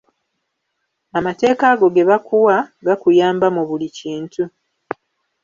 Amateeka ago ge bakuwa, gakuyamba mu buli kintu.